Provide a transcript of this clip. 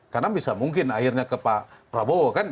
karena bisa mungkin akhirnya ke pak prabowo kan